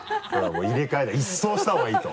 もう入れ替えだ一掃した方がいいと。